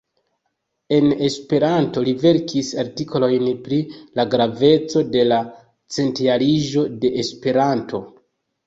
En Esperanto, li verkis artikolojn pri la graveco de la Centjariĝo de Esperanto.